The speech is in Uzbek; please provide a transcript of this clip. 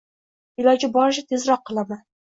Iloji boricha tezroq qilaman.